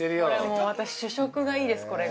もう私、主食がいいですこれが。